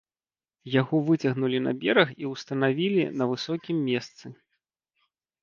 Яго выцягнулі на бераг і ўстанавілі на высокім месцы.